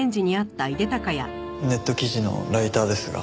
ネット記事のライターですが。